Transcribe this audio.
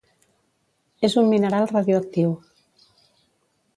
És un mineral radioactiu.